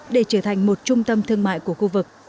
để trở thành một trung tâm thương mại của khu vực